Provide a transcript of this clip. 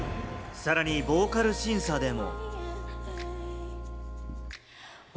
さらにボーカル審査でも。